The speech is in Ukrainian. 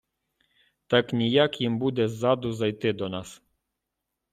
Так ніяк їм буде ззаду зайти до нас.